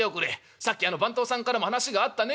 さっき番頭さんからも話があったね。